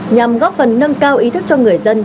nhằm góp phần nâng cao ý thức cho người dân